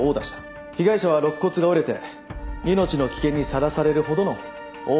被害者は肋骨が折れて命の危険にさらされるほどの大ケガを負った。